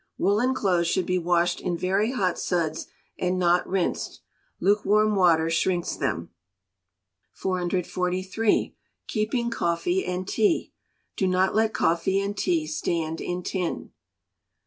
Woollen clothes should be washed in very hot suds, and not rinsed. Lukewarm water shrinks them. 443. Keeping Coffee and Tea. Do not let coffee and tea stand in tin. 444.